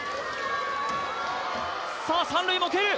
さあ三塁も蹴る！